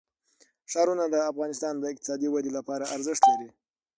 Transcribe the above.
ښارونه د افغانستان د اقتصادي ودې لپاره ارزښت لري.